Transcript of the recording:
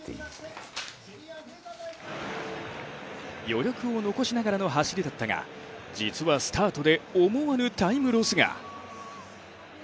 余力を残しながらの走りだったが、実はスタートで思わぬタイムロスが。